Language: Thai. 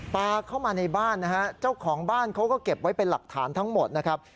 ปลาเข้ามาในบ้านนะฮะเจ้าของบ้านเขาก็เก็บไว้เป็นหลักฐานทั้งหมดนะครับ